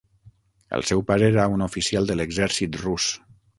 El seu pare era un oficial de l'exèrcit rus.